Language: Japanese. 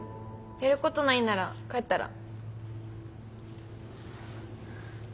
やることないんなら帰ったら？